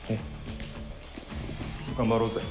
頑張ろうぜ。